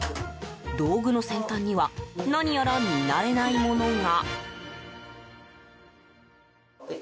道具の先端には何やら見慣れないものが。